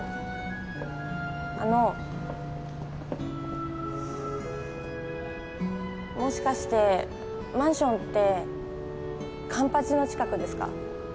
あのもしかしてマンションって環八の近くですか？